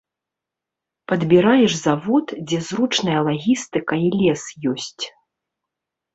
Падбіраеш завод, дзе зручная лагістыка і лес ёсць.